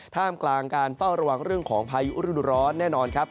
ท่ามกลางการเฝ้าระวังเรื่องของพายุฤดูร้อนแน่นอนครับ